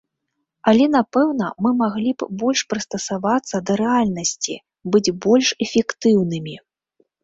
Але, напэўна, мы маглі б больш прыстасавацца да рэальнасці, быць больш эфектыўнымі.